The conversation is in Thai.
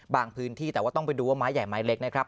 พื้นที่แต่ว่าต้องไปดูว่าไม้ใหญ่ไม้เล็กนะครับ